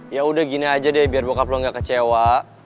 yaudah gini aja deh biar bokap lo gak kecewa